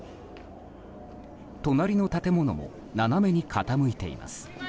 隣の建物も斜めに傾いています。